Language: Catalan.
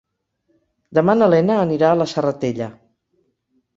Demà na Lena anirà a la Serratella.